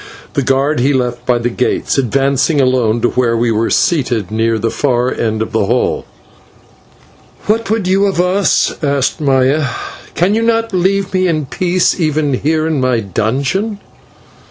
The guard he left by the gates, advancing alone to where we were seated at the far end of the hall. "What would you of us?" asked Maya. "Can you not leave me in peace even here in my dungeon?"